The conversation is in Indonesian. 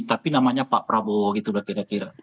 tapi namanya pak prabowo gitu lah kira kira